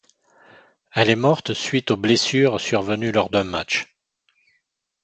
Elle est morte suite aux blessures survenues lors d'un match.